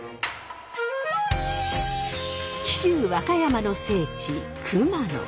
紀州和歌山の聖地熊野。